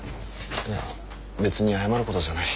いや別に謝ることじゃない。